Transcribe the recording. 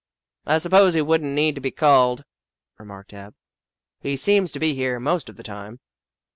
" I suppose he would n't need to be called," remarked Ab. "He seems to be here most of the time."